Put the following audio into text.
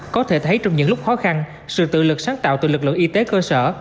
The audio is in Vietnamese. có thể thấy trong những lúc khó khăn sự tự lực sáng tạo từ lực lượng y tế cơ sở